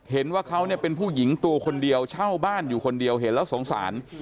เห็นว่าเขาเนี่ยเป็นผู้หญิงตัวคนเดียวเช่าบ้านอยู่คนเดียวเห็นแล้วสงสาร